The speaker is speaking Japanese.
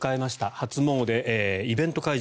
初詣、イベント会場